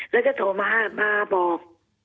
แล้วก็โทรมาบอก